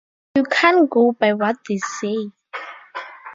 You can't go by what they say.